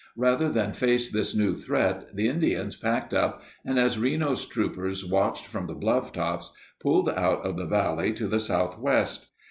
Rather than face this new threat, the Indians packed up and, as Reno's troopers watched from the bluff tops, pulled out of the valley to the southwest.